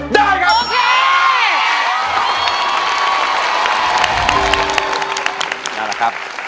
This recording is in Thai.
ได้ครับ